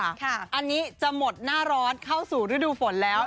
อันนี้จะหมดหน้าร้อนเข้าสู่ฤดูฝนแล้ว